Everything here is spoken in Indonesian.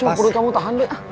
coba coba perut kamu tahan doi